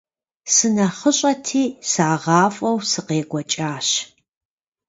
СынэхъыщӀэти сагъафӀэу сыкъекӀуэкӀащ.